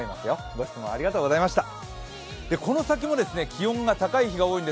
ご質問ありがとうございました。